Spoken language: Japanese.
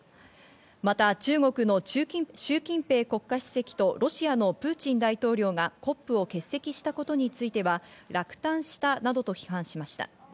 また中国のシュウ・キンペイ国家主席とロシアのプーチン大統領がＣＯＰを欠席したことについては落胆したなどと批判しました。